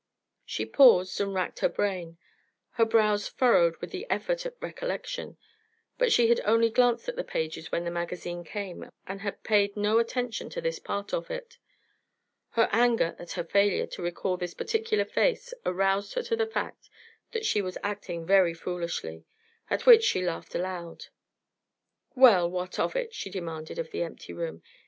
She paused and racked her brain, her brows furrowed with the effort at recollection, but she had only glanced at the pages when the magazine came, and had paid no attention to this part of it. Her anger at her failure to recall this particular face aroused her to the fact that she was acting very foolishly, at which she laughed aloud. "Well, what of it?" she demanded of the empty room.